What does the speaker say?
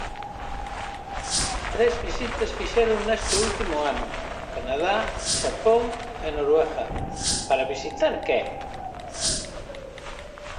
Tres visitas fixeron neste último ano: Canadá, Xapón e Noruega, ¿para visitar que?